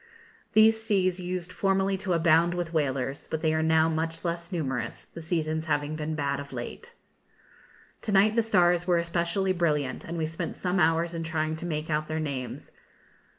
These seas used formerly to abound with whalers, but they are now much less numerous, the seasons having been bad of late. To night the stars were especially brilliant, and we spent some hours in trying to make out their names.